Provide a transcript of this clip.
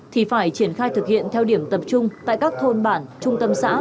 thì phải triển khai thực hiện theo điểm tập trung tại các thôn bản trung tâm xã